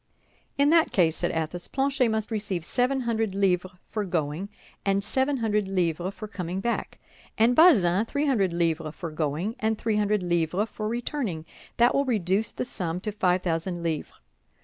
"In that case," said Athos, "Planchet must receive seven hundred livres for going, and seven hundred livres for coming back; and Bazin, three hundred livres for going, and three hundred livres for returning—that will reduce the sum to five thousand livres.